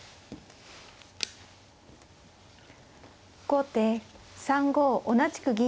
後手３五同じく銀。